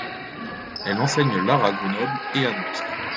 Elle enseigne l'art à Grenoble et à Nantes.